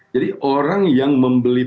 jadi orang yang membeli produk ini